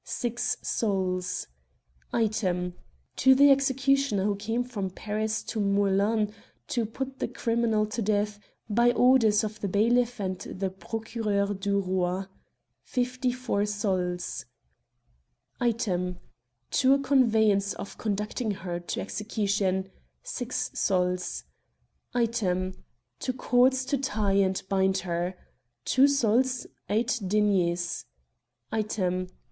6 sols Item, To the executioner, who came from Paris to Meulan to put the criminal to death, by orders of the bailiff and the Procureur du Roi .. 54 sols Item, To a conveyance for conducting her to execution ....... 6 sols Item, To cords to tie and bind her . 2 sols 8 deniers Item.